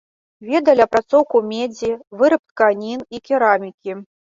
Ведалі апрацоўку медзі, выраб тканін і керамікі.